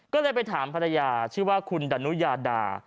ก็เลยไปถามภรรยาชื่อว่าคุณดานุญาดา